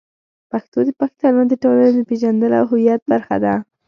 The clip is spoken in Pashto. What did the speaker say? پښتو د پښتنو د ټولنې د پېژندلو او هویت برخه ده.